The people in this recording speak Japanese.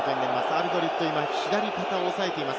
アルドリット、今左肩を押さえています。